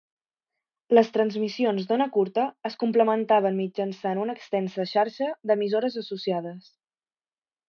Les transmissions d"ona curta es complementaven mitjançant una extensa xarxa de emissores associades.